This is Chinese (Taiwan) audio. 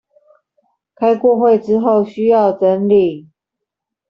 開過會之後需要整理